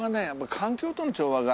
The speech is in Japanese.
環境との調和が。